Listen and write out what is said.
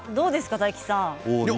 大吉さん。